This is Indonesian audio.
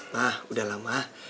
nah udah lah ma